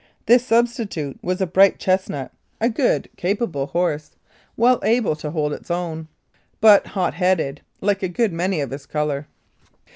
This substitute was a bright chestnut, a good, capable horse, 1890 97. Lethbridge well able to hold his own, but hot headed, like a good many of his colour.